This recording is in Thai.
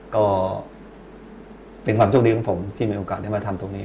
ก็เป็นความโชคดีของผมที่มีโอกาสได้มาทำตรงนี้